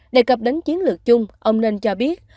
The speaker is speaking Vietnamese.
đề cập đến chiến lược chung ông nên cho biết